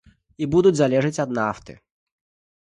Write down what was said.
І будуць залежаць ад нафты.